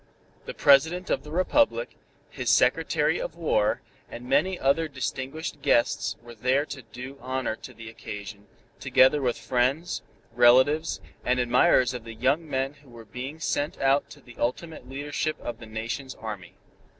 The President of the Republic, his Secretary of War and many other distinguished guests were there to do honor to the occasion, together with friends, relatives and admirers of the young men who were being sent out to the ultimate leadership of the Nation's Army.